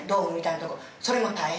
それも大変。